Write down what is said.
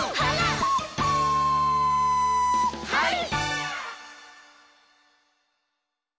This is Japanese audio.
「はい！」